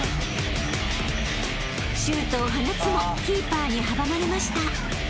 ［シュートを放つもキーパーに阻まれました］